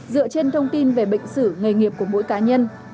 dựa trên thông tin về bệnh sử nghề nghiệp của mỗi cá nhân